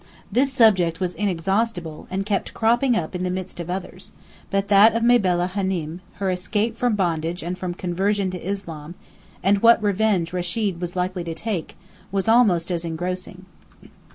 This subject was inexhaustible, and kept cropping up in the midst of others; but that of Mabella Hânem, her escape from bondage and from "conversion" to Islam, and what revenge Rechid was likely to take, was almost as engrossing.